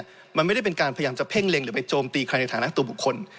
มันไม่ได้เป็นการพยายามจะเพ่งเล็งหรือไปโจมตีใครในฐานะตัวบุคคล